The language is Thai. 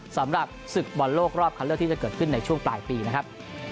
สำหรับศึกบอลโลกรอบคันเลือกที่จะเกิดขึ้นในช่วงปลายปีนะครับ